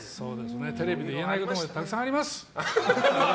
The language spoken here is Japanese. テレビで言えないこともたくさんあります。